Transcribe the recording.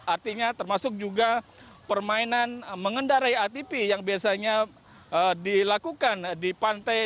artinya termasuk juga permainan mengendarai atp yang biasanya dilakukan di pantai